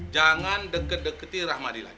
jangan deket deketin rahmadi lagi